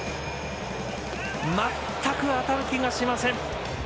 全く当たる気がしません。